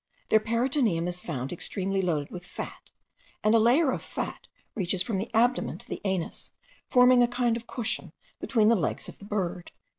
Their peritoneum is found extremely loaded with fat, and a layer of fat reaches from the abdomen to the anus, forming a kind of cushion between the legs of the bird.